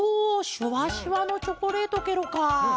シュワシュワのチョコレートケロか！